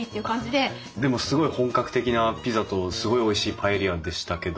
でもすごい本格的なピザとすごいおいしいパエリアでしたけど。